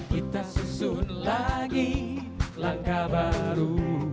kita susun lagi langkah baru